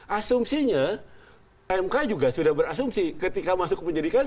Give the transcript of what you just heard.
asumsinya mk juga sudah berasumsi ketika masuk ke penyelidikan